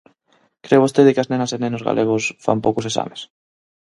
¿Cre vostede que as nenas e nenos galegos fan poucos exames?